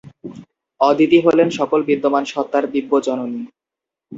অদিতি হলেন সকল বিদ্যমান সত্ত্বার দিব্য জননী।